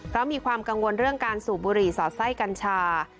เพราะมีความกังวลเรื่องการสูบบุหรี่สอดไส้กัญชา